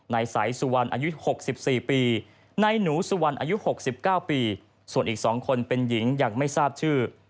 นายสายสุวรรณอายุ๖๔ปีนายหนูสุวรรณอายุ๖๙ปีส่วนอีก๒คนเป็นหญิงยังไม่ทราบชื่อ